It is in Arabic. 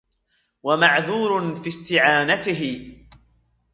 وَمَعْذُورٌ فِي اسْتِعَانَتِهِ